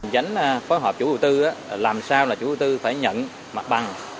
giánh phóng hợp chủ đầu tư làm sao là chủ đầu tư phải nhận mặt bằng